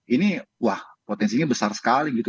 ini wah potensinya besar sekali gitu